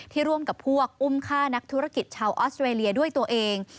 ร่วมกับพวกอุ้มฆ่านักธุรกิจชาวออสเตรเลียด้วยตัวเอง